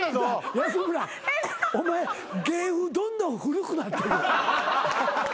安村お前芸風どんどん古くなってる。